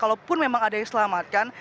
kalaupun memang ada yang diselamatkan